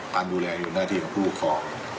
การดูแลอยู่หน้าที่ของผู้ปกครอง